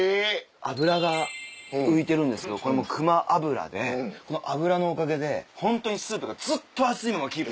脂が浮いてるんですけどこれも熊脂でこの脂のおかげでホントにスープがずっと熱いままキープ。